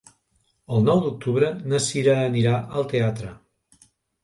El nou d'octubre na Cira anirà al teatre.